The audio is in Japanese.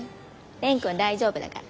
蓮くんは大丈夫だから。